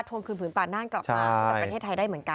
วงคืนผืนป่าน่านกลับมากับประเทศไทยได้เหมือนกัน